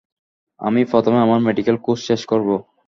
আমি প্রথমে আমার মেডিকেল কোর্স শেষ করব।